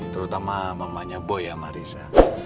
terutama mamanya boy ya marissa